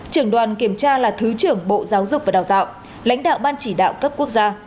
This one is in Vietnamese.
trưởng đoàn kiểm tra là thứ trưởng bộ giáo dục và đào tạo lãnh đạo ban chỉ đạo cấp quốc gia